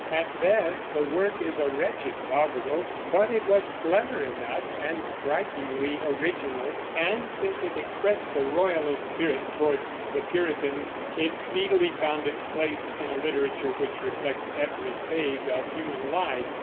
At best the work is a wretched doggerel, but it was clever enough and strikingly original; and since it expressed the Royalist spirit towards the Puritans, it speedily found its place in a literature which reflects every phase of human life.